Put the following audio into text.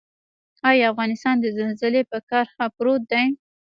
آیا افغانستان د زلزلې په کرښه پروت دی؟